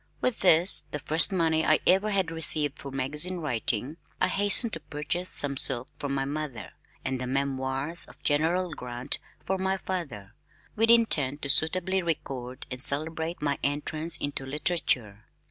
With this, the first money I ever had received for magazine writing, I hastened to purchase some silk for my mother, and the Memoirs of General Grant for my father, with intent to suitably record and celebrate my entrance into literature.